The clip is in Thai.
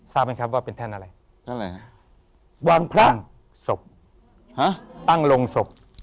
ทราบไหมครับว่าเป็นแท่นอะไรท่านอะไรฮะวางพระศพตั้งโรงศพ